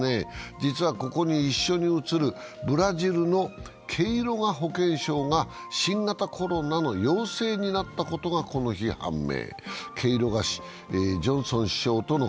実はここに一緒に写るブラジルのケイロガ保健相が新型コロナの陽性になったことがこの日判明。